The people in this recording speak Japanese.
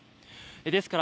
ですから